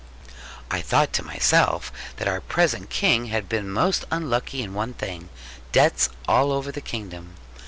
I thought to myself that our present King had been most unlucky in one thing debts all over the kingdom.